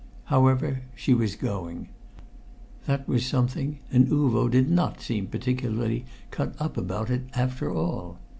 However, she was going. That was something, and Uvo did not seem particularly cut up about it after all.